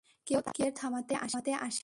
কেউ তাদের থামাতে আসেনি।